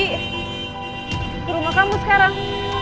ke rumah kamu sekarang